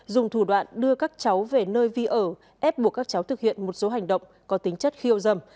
dùng thủ đoạn đưa các cháu về nơi vi ở ép buộc các cháu thực hiện một số hành động có tính chất khiêu dầm